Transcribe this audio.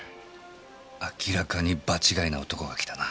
明らかに場違いな男が来たな。